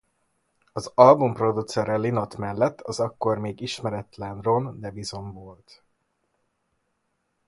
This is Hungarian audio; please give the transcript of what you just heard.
Az album producere Lynott mellett az ekkor még ismeretlen Ron Nevison volt.